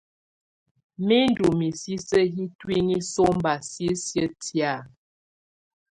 Mɛ ndù misisi yi ntuinyii sɔmba sisiǝ́ tɛ̀á.